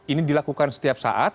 ini dilakukan setiap saat